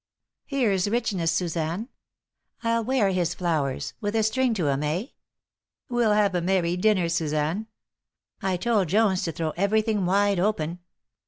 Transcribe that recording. Here's richness, Suzanne! I'll wear his flowers with a string to 'em, eh? We'll have a merry dinner, Suzanne! I told Jones to throw everything wide open.